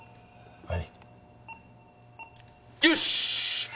はい！